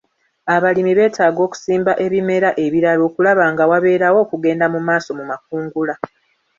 Abalimi beetaaga okusimba ebimera ebirala okulaba nga wabeerawo okugenda mu maaso mu makungula .